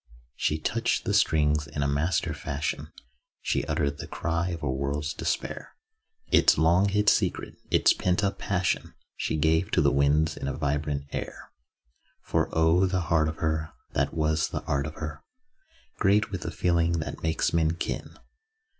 She touched the strings in a master fashion, She uttered the cry of a world's despair: Its long hid secret, its pent up passion, She gave to the winds in a vibrant air. For oh! the heart of her, That was the art of her. Great with the feeling that makes men kin.